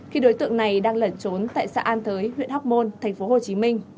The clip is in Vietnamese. khi đối tượng này đang lẩn trốn tại xã an thới huyện hóc môn tp hcm